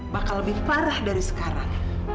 maka lebih parah dari sekarang